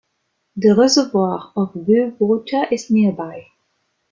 The reservoir of Bewl Water is nearby.